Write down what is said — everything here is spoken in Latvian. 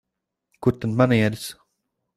Kur tad manieres?